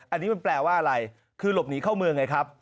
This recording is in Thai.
อันนี้มันแปลว่าอะไรคือหลบหนีเข้าเมืองไงครับ